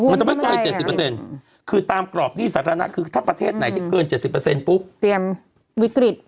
มันจะไม่เกิน๗๐คือตามกรอบหนี้สาธารณะคือถ้าประเทศไหนที่เกิน๗๐ปุ๊บเตรียมวิกฤต